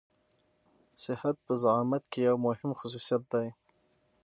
صحت په زعامت کې يو مهم خصوصيت دی.